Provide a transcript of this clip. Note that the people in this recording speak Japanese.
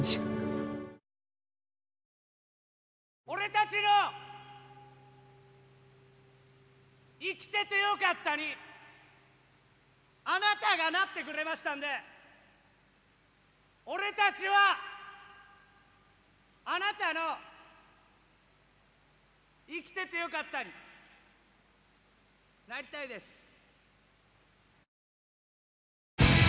俺たちの「生きててよかった」にあなたがなってくれましたんで俺たちはあなたの「生きててよかった」になりたいです。